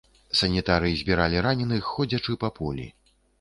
Санітары забіралі раненых, ходзячы па полі.